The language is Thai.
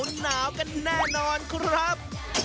หนาวกันแน่นอนครับ